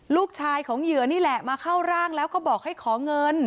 ลูกชายของเหยื่อนี่แหละมาเข้าร่างแล้วก็บอกให้ขอเงิน